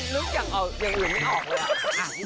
นุ๊กอีบ